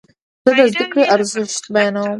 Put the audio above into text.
زه د زده کړې ارزښت بیانوم.